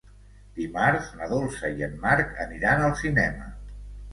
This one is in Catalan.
Dimarts na Dolça i en Marc aniran al cinema.